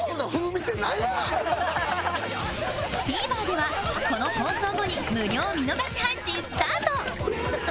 ＴＶｅｒ ではこの放送後に無料見逃し配信スタート！